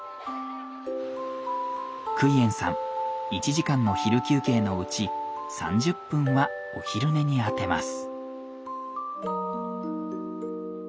クイエンさん１時間の昼休憩のうち３０分はお昼寝に充てます。